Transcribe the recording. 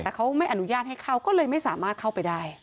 แต่เขาไม่อนุญาตให้เข้าก็เลยไม่สามารถเข้าไปได้